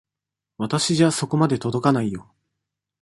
私じゃそこまで届かないよ。